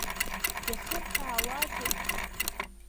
Иахырҳәаауазеи?